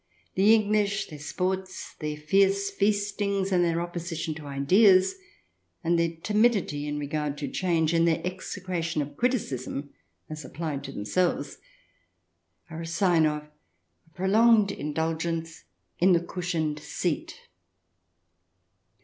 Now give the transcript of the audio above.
The English, their sports, their fierce feastings, and their opposition to ideas, and their timidity in regard to change, and their execration of criticism as applied to themselves, are a sign of a prolonged indulgence in the cushioned seat."